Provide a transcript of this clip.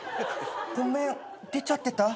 ごめん出ちゃってた？